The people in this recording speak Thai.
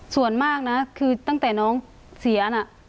ส่วนมากตั้งแต่น้องเสีย